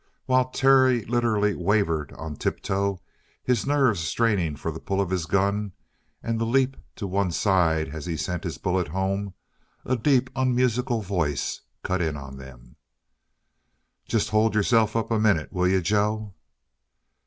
While Terry literally wavered on tiptoe, his nerves straining for the pull of his gun and the leap to one side as he sent his bullet home, a deep, unmusical voice cut in on them: "Just hold yourself up a minute, will you, Joe?"